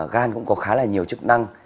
gan cũng có khá là nhiều chức năng